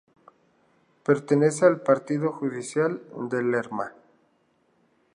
Pertenece al partido judicial de Lerma.